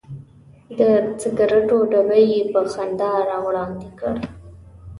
د سګرټو ډبی یې په خندا راوړاندې کړ.